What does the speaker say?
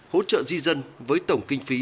hỗ trợ di dân với tổng kinh phí